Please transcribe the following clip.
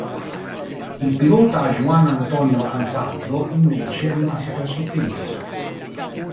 Il pilota, Juan Antonio Ansaldo, invece rimase pressoché illeso.